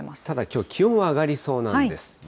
ただきょう、気温は上がりそうなんです。